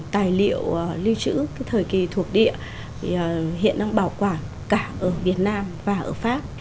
tài liệu lưu trữ cái thời kỳ thuộc địa hiện đang bảo quản cả ở việt nam và ở pháp